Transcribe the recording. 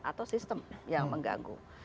atau sistem yang mengganggu